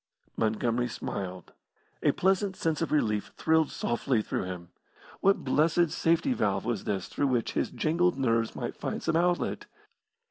Montgomery smiled. A pleasant sense of relief thrilled softly through him. What blessed safety valve was this through which his jangled nerves might find some outlet.